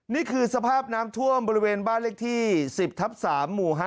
นี่คือสภาพน้ำท่วมบริเวณบ้านเลขที่๑๐ทับ๓หมู่๕